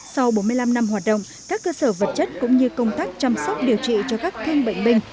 sau bốn mươi năm năm hoạt động các cơ sở vật chất cũng như công tác chăm sóc điều trị cho các thương bệnh binh